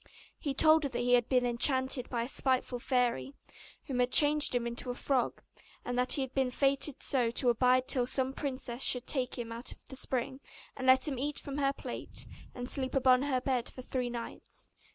He told her that he had been enchanted by a spiteful fairy, who had changed him into a frog; and that he had been fated so to abide till some princess should take him out of the spring, and let him eat from her plate, and sleep upon her bed for three nights.